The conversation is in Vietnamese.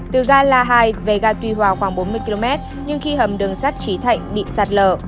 từ gà la hai về gà tuy hòa khoảng bốn mươi km nhưng khi hầm đường sát trí thạnh bị sát lở